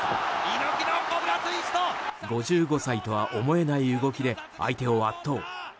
５５歳とは思えない動きで相手を圧倒。